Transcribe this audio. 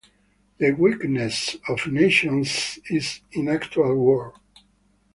The weakness of nations is in actual war.